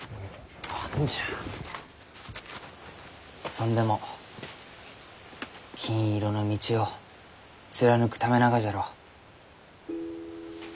そんでも金色の道を貫くためながじゃろ？